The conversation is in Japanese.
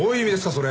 それ。